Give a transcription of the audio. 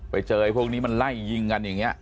ไปเจอพวกนี้มันไล่ยิงกันอย่างนี้